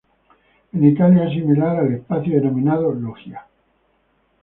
En Italia es similar el espacio denominado "loggia".